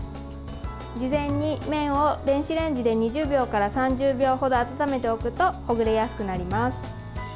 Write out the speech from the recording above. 事前に麺を電子レンジで２０秒から３０秒程温めておくとほぐれやすくなります。